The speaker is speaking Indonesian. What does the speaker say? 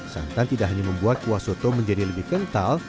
santan tidak hanya membuat kuah soto menjadi lebih kental